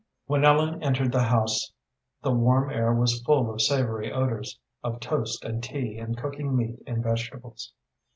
When Ellen entered the house, the warm air was full of savory odors of toast and tea and cooking meat and vegetables.